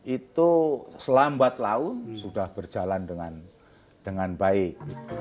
itu selambat laun sudah berjalan dengan baik